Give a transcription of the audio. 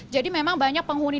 jadi memang banyak penghuni